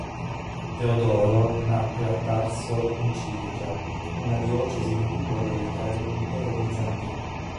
Teodoro nacque a Tarso in Cilicia, una diocesi di lingua greca dell'Impero bizantino.